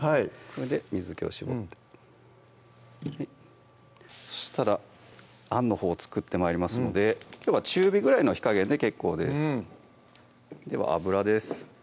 はいこれで水気を絞ってそしたらあんのほう作って参りますのできょうは中火ぐらいの火加減で結構ですでは油です